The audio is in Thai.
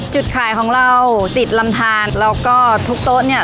จุดขายของเราติดลำทานแล้วก็ทุกโต๊ะเนี่ย